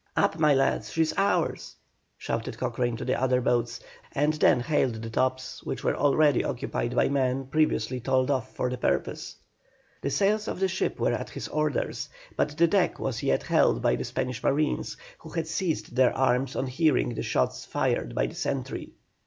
"Up, my lads! she's ours!" shouted Cochrane to the other boats, and then hailed the tops, which were already occupied by men previously told off for the purpose. The sails of the ship were at his orders, but the deck was yet held by the Spanish marines, who had seized their arms on hearing the shot fired by the sentry.